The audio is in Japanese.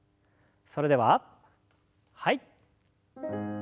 それでははい。